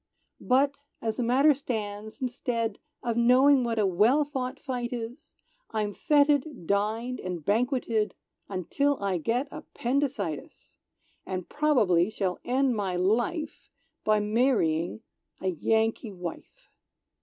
"But, as the matter stands, instead Of knowing what a well fought fight is, I'm fêted, dined and banqueted, Until I get appendicitis! And probably shall end my life By marrying a Yankee wife!